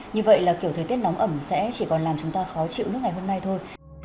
như vậy là kiểu thời tiết nóng ẩm sẽ chỉ còn làm chúng ta khó chịu nước ngày hôm nay thôi